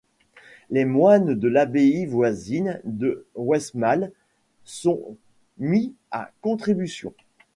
Les moines de l’abbaye voisine de Westmalle sont mis à contribution.